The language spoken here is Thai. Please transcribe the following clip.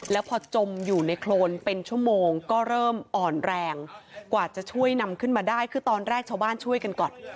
แล้วพอจมอยู่ในโครนเป็นชั่วโมงก็เริ่มอ่อนแรงกว่าจะช่วยนำขึ้นมาได้คือตอนแรกชาวบ้านช่วยกันก่อน